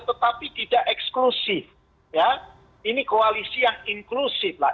tetapi tidak eksklusif ya ini koalisi yang inklusif lah